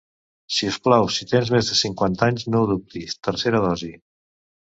Si us plau, si tens més de cinquanta anys, no ho dubtis, tercera dosi.